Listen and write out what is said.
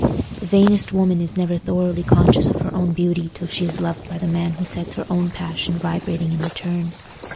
The vainest woman is never thoroughly conscious of her own beauty till she is loved by the man who sets her own passion vibrating in return.